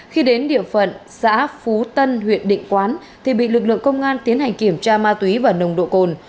khi đến địa phận xã phú tân huyện định quán thì bị lực lượng công an tiến hành kiểm tra ma túy và nồng độ cồn